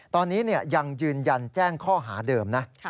ตอนนี้ยังยืนยันแจ้งข้อหาเดิมนะ